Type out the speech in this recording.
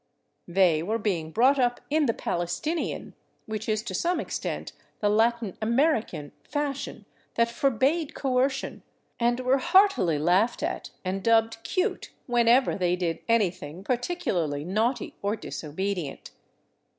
They were being brought up in the Palestinian, which is to some extent the Latin American, fashion that forbade coercion, and were heartily laughed at and dubbed " cute " v/henever they did anything particularly naughty or disobedient.